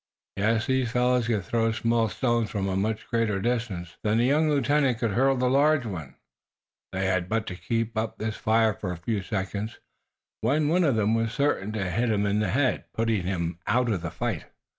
Yes! These fellows could throw small stones from a much greater distance than the young lieutenant could hurl the large one. They had but to keep up this fire for a few seconds when one of them was certain to hit him in the head, putting him out of the fight.